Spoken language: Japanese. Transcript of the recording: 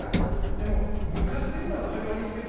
でも、向かっていくのはパリオリンピック。